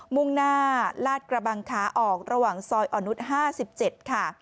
มุ่งหน้าลาดกระบังขาออกระหว่างซอยอ่อนนุษย์๕๗ค่ะ